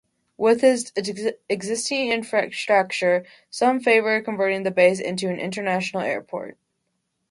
With its existing infrastructure, some favored converting the base into an international airport.